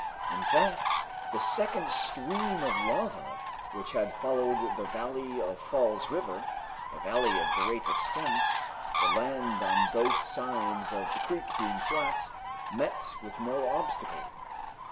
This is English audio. In fact, the second stream of lava, which had followed the valley of Falls River, a valley of great extent, the land on both sides of the creek being flat, met with no obstacle.